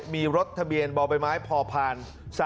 มีรถทะเบียนบ่อใบไม้พอผ่าน๓๔